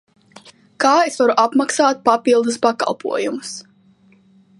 Kā es varu apmaksāt papildus pakalpojumus?